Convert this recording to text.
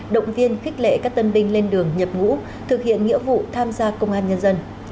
động viên khích lệ các tân binh lên đường nhập ngũ thực hiện nghĩa vụ tham gia công an nhân dân